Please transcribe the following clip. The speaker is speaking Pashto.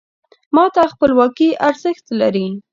ما ته خپلواکي ارزښت لري .